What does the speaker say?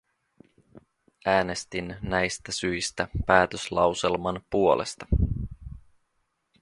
Äänestin näistä syistä päätöslauselman puolesta.